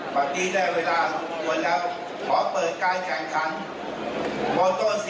มีแสดงข่าวว่ามีเสียงโห